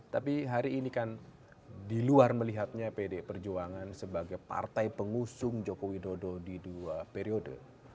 tapi hari ini kan di luar melihatnya pd perjuangan sebagai partai pengusung joko widodo di dua periode